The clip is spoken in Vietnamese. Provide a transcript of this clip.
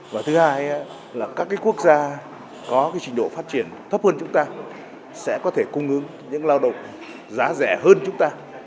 và thứ hai là các quốc gia có trình độ phát triển thấp hơn chúng ta sẽ có thể cung ứng những lao động giá rẻ hơn chúng ta